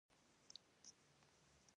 آیا نوروز د نوي کال پیل نه دی؟